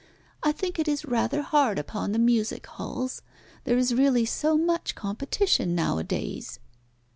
I think it is rather hard upon the music halls. There is really so much competition nowadays!"